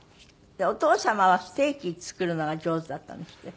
お父様はステーキ作るのが上手だったんですって？